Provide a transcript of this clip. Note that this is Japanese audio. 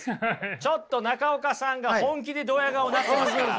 ちょっと中岡さんが本気でドヤ顔なってますから。